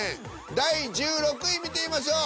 第１６位見てみましょう。